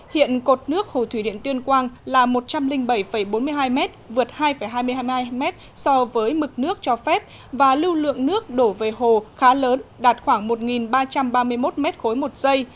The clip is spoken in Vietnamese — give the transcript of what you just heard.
hiện cột nước hồ thủy điện tuyên quang là một trăm linh bảy bốn mươi hai m vượt hai hai mươi hai m so với mực nước cho phép và lưu lượng nước đổ về hồ khá lớn đạt khoảng một ba trăm ba mươi một m ba một giây